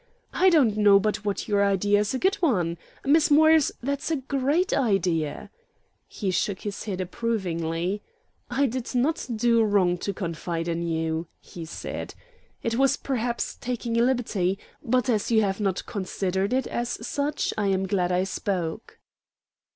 "I don't know but what your idea is a good one. Miss Morris, that's a great idea." He shook his head approvingly. "I did not do wrong to confide in you," he said. "It was perhaps taking a liberty; but as you have not considered it as such, I am glad I spoke."